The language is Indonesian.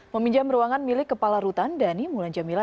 meminjam ruangan milik kepala rutan dhani mulan jamila